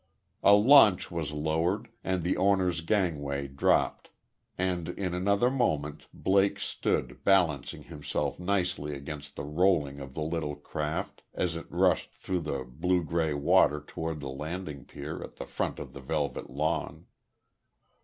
A launch was lowered, and the owner's gangway dropped. And in another moment, Blake stood, balancing himself nicely against the rolling of the little craft, as it rushed through the blue gray water toward the landing pier at the foot of the velvet lawn.